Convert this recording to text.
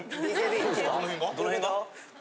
・どの辺が？